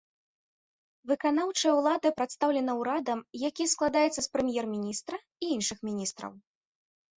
Выканаўчая ўлада прадстаўлена урадам, які складаецца з прэм'ер-міністра і іншых міністраў.